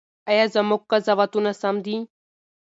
ایا زموږ قضاوتونه سم دي؟